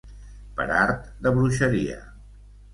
Per art de bruixeria.